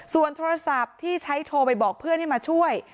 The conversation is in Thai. ส่วนโทรศัพท์ที่ใช้โทรไปบอกเพื่อนให้มาช่วย